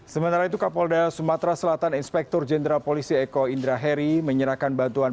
sementara itu kapolda sumatera selatan inspektur jenderal polisi eko indra heri menyerahkan bantuan